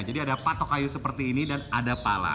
jadi ada patok kayu seperti ini dan ada pala